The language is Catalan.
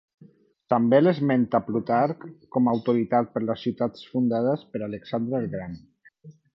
També l'esmenta Plutarc com autoritat per les ciutats fundades per Alexandre el Gran.